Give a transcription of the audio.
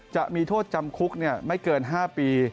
จะมีโทษจำคุกไม่เกิน๕ปี